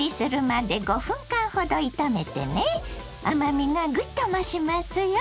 甘みがぐっと増しますよ。